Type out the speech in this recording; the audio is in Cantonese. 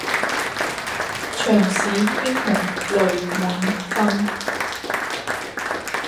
長使英雄淚滿襟